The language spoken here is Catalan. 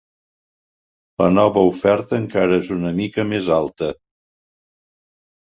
La nova oferta encara és una mica més alta.